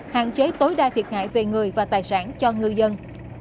hạn chế tối đa thiệt hại về người và tài sản cho ngư dân